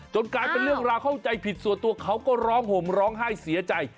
กลายเป็นเรื่องราวเข้าใจผิดส่วนตัวเขาก็ร้องห่มร้องไห้เสียใจ